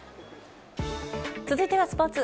続いてはスポーツ。